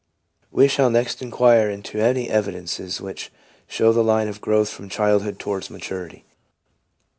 We shall next inquire into any evidences which show the line of growth from childhood towards maturity.